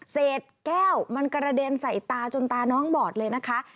เศษแก้วมันกระเด็นใส่ตาจนตาน้องบอดเลยนะคะ